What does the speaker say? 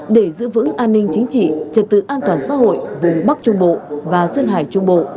để giữ vững an ninh chính trị trật tự an toàn xã hội vùng bắc trung bộ và duyên hải trung bộ